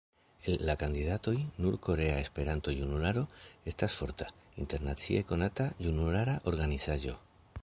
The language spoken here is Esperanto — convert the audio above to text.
El la kandidatoj nur Korea Esperanto-Junularo estas forta, internacie konata junulara organizaĵo.